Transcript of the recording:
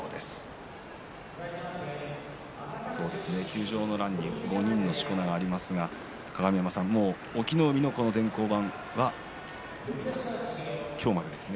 休場の欄に５人のしこ名がありますが隠岐の海の電光板は今日までですね